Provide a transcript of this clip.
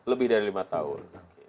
lebih dari lima tahun